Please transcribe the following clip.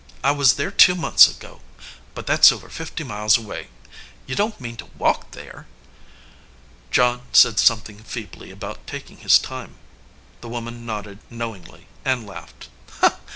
I was there two months ago. But that s over fifty miles away. You don t mean to walk there?" John said something feebly about taking his time. The woman nodded knowingly and laughed.